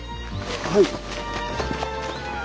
はい。